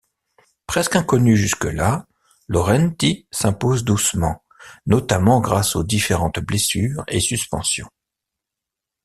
Presque inconnu jusque-là, Laurenti s'impose doucement, notamment grâce aux différentes blessures et suspensions.